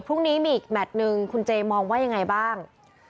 พรุ่งนี้มีอีกแมทหนึ่งคุณเจมองว่ายังไงบ้าง